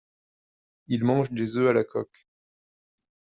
Il mange des œufs à la coque !